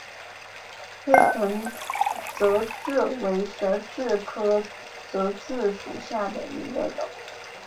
黑臀泽蛭为舌蛭科泽蛭属下的一个种。